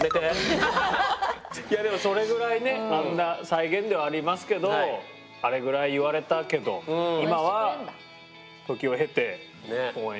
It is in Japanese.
いやでもそれぐらいねあんな再現ではありますけどあれぐらい言われたけど今は時を経て応援してくれてるっていうのは。